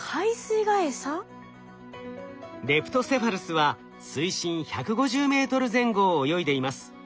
レプトセファルスは水深１５０ｍ前後を泳いでいます。